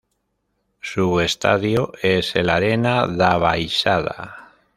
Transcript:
Su estadio es el Arena da Baixada.